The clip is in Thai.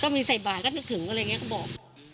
มีใส่บาทก็นึกถึงอะไรอย่างนี้ก็บอก